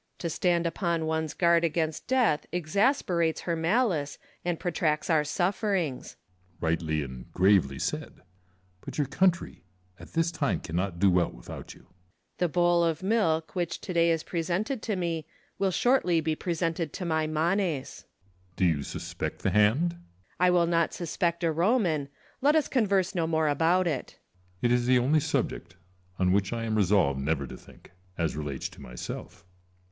Lucullus. To stand upon one's guard against Death exasperates her malice and protracts our sufferings. Ccesar. Rightly and gravely said : but your country at this time cannot do well without you, LUCULLUS AND C/ESAR. ^75 Lucullus. The bowl of milk, which to day is presented to me, will shortly be presented to my Manes. Ccesar. Do you suspect the hand ? Lucullus. I will not suspect a Roman : let us converse no more about it. Ccesar. It is the only subject on which I am resolved never to think, as relates to myself.